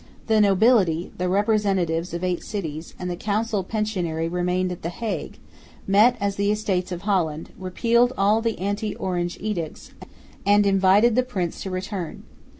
The nobility, the representatives of eight cities, and the council pensionary remained at the Hague, met as the Estates of Holland, repealed all the anti Orange edicts, and invited the prince to return.